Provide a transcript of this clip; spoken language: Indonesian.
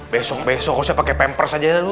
besok besok harusnya pakai pampers aja dulu